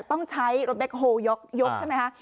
ต้องใช้รถแบคโฮลยกยกใช่มั้ยคะ